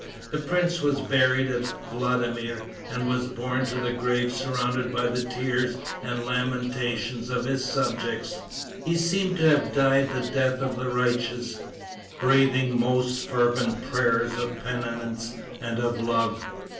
The prince was buried at Vladimir, and was borne to the grave surrounded by the tears and lamentations of his subjects. He seems to have died the death of the righteous, breathing most fervent prayers of penitence and of love.